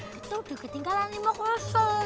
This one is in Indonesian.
betul udah ketinggalan lima kurasa